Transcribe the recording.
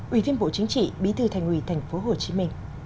ủy viên bộ chính trị bí thư thành ủy tp hcm